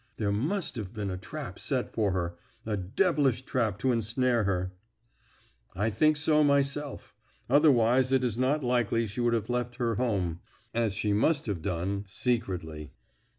There must have been a trap set for her a devilish trap to ensnare her." "I think so myself. Otherwise it is not likely she would have left her home, as she must have done, secretly.